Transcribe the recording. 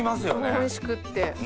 おいしくって。